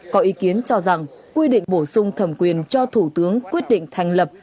có ý kiến cho rằng quy định bổ sung thẩm quyền cho thủ tướng quyết định thành lập